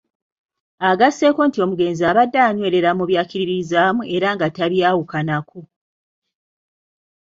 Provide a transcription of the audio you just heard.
Agasseeko nti omugenzi abadde anywerera mu by'akkiririzaamu era tabyawukanako.